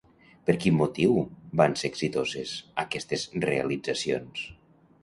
Per quin motiu van ser exitoses, aquestes realitzacions?